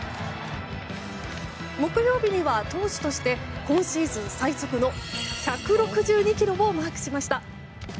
木曜日には投手として今シーズン最速の１６２キロをマークしました。